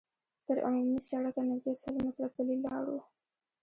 تر عمومي سړکه نږدې سل متره پلي لاړو.